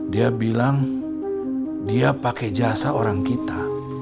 dia bilang dia pakai jasa orang kita